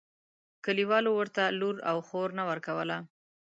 کلیوالو ورته لور او خور نه ورکوله.